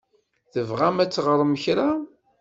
Tebɣam ad teɣṛem kra?